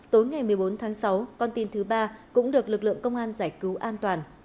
tối ngày một mươi bốn tháng sáu con tin thứ ba cũng được lực lượng công an giải cứu an toàn